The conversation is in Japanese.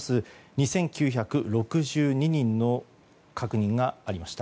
２９６２人の確認がありました。